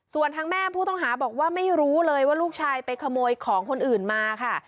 ส่วนทางแม่ผู้ต้องหาบอกว่าไม่รู้เลยว่าลูกชายไปขโมยของคนอื่นมาค่ะ